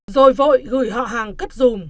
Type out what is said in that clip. rồi vội gửi họ hàng cất dùm